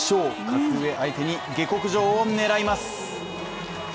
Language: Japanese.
格上相手に下克上を狙います。